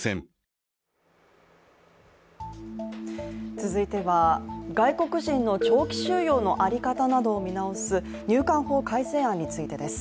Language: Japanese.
続いては、外国人の長期収容の在り方などを見直す、入管法改正案についてです。